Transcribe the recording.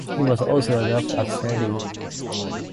He was also adept at sailing.